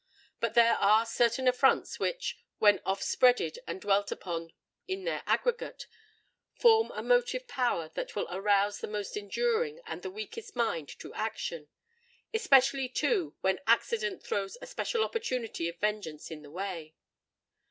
But there are certain affronts which, when oft repeated and dwelt upon in their aggregate, form a motive power that will arouse the most enduring and the weakest mind to action—especially, too, when accident throws a special opportunity of vengeance in the way.